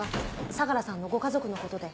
相良さんのご家族のことで。